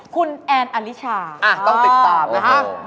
คุณแอนอลิชาต้องติดตามนะฮะ